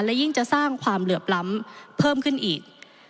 และยิ่งจะสร้างความเหลือบล้ำเพิ่มขึ้นอีก